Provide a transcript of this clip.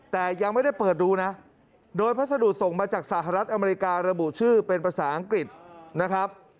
แต่ยังไม่ได้เปิดดูนะโดยพัสดุส่งมาจากสหรัฐอเมริการะบุชื่อเป็นภาษาอังกฤษนะครับ